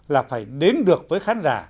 là phải đến được với khán giả